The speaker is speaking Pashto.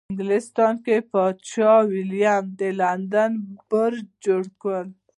په انګلستان کې پادشاه ویلیم د لندن برج جوړ کړ.